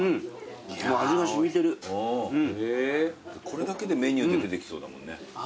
これだけでメニューで出てきそうだもんね。